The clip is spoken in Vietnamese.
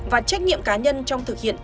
và trách nhiệm cá nhân trong thực hiện